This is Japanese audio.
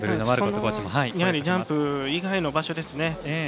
ジャンプ以外の場所ですね。